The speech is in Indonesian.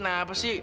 nah apa sih